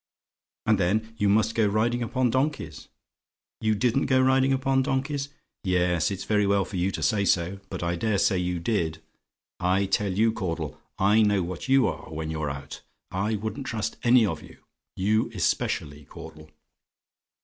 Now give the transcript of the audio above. "And then you must go riding upon donkeys. "YOU DIDN'T GO RIDING UPON DONKEYS? "Yes; it's very well for you to say so: but I dare say you did. I tell you, Caudle, I know what you are when you're out. I wouldn't trust any of you you especially, Caudle.